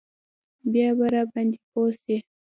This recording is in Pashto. بيا به راباندې پوه سي.